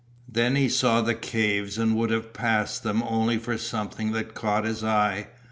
Then he saw the caves and would have passed them only for something that caught his eye.